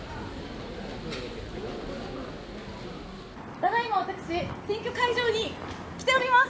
「ただいま私選挙会場に来ております」。